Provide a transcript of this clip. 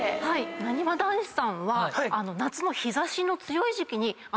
なにわ男子さんは。